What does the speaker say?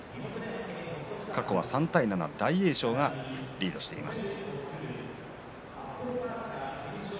過去は３対７と大栄翔がリードしています。